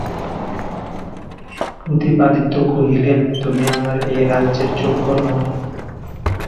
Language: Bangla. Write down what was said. প্রতাপাদিত্য কহিলেন, তুমি আমার এ রাজ্যের যোগ্য নহ।